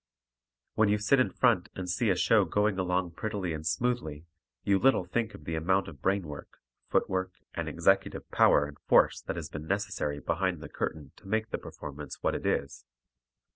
When you sit in front and see a show going along prettily and smoothly, you little think of the amount of brain work, foot work and executive power and force that has been necessary behind the curtain to make the performance what it is!